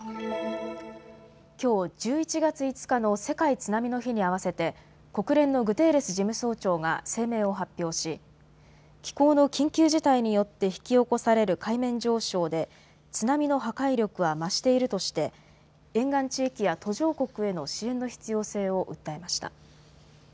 きょう１１月５日の世界津波の日に合わせて国連のグテーレス事務総長が声明を発表し気候の緊急事態によって引き起こされる海面上昇で津波の破壊力は増しているとして沿岸地域や途上国への支援の必要性を訴えました。